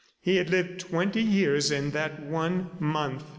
He had lived twenty years in that one month.